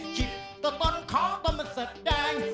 คิดต่อต้นของตอนมันแสดง